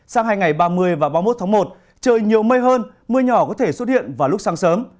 sang hai ngày ba mươi và ba mươi một tháng một trời nhiều mây hơn mưa nhỏ có thể xuất hiện vào lúc sáng sớm